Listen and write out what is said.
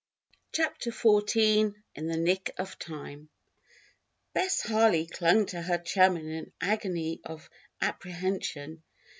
_ CHAPTER XIV IN THE NICK OF TIME Bess Harley clung to her chum in an agony of apprehension.